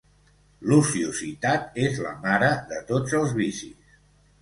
L'ociositat és la mare de tots els vicis.